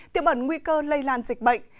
tiềm ẩn nguy cơ lây lan dịch bệnh